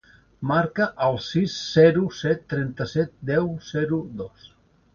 Marca el sis, zero, set, trenta-set, deu, zero, dos.